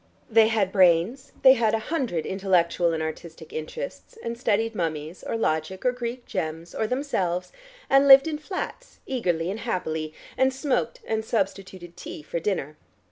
They had brains, they had a hundred intellectual and artistic interests, and studied mummies, or logic, or Greek gems, or themselves, and lived in flats, eagerly and happily, and smoked and substituted tea for dinner.